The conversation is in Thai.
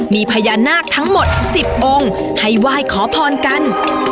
มีพญานาคทั้งหมด๑๐องค์ให้ไหว้ขอพรกัน